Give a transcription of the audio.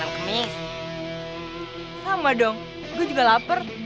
mau ke warung suli kak